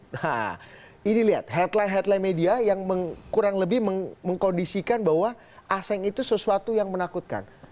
nah ini lihat headline headline media yang kurang lebih mengkondisikan bahwa aseng itu sesuatu yang menakutkan